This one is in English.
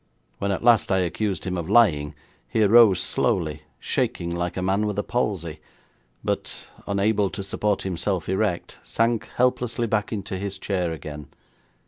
When at last I accused him of lying, he arose slowly, shaking like a man with a palsy, but, unable to support himself erect, sank helplessly back into his chair again.